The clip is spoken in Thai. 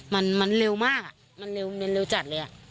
มันเร็วมากอ่ะมันเร็วจัดเลย